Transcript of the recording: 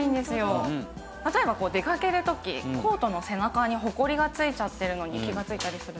例えば出かける時コートの背中にホコリがついちゃってるのに気がついたりする。